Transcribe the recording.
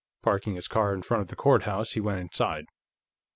Parking his car in front of the courthouse, he went inside.